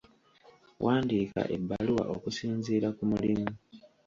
Wandiika ebbaluwa okusinziira ku mulimu.